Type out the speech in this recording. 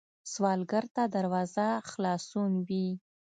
سوالګر ته دروازه خلاصون وي